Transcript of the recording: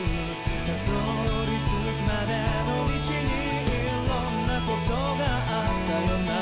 「辿り着くまでの道にいろんなことがあったよな」